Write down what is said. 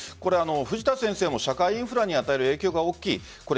藤田先生も社会インフラに与える影響が大きい。